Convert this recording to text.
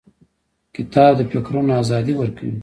کتاب د فکرونو ازادي ورکوي.